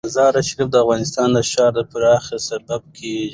مزارشریف د افغانستان د ښاري پراختیا سبب کېږي.